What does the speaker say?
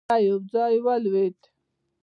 دی يو ځای ولوېد.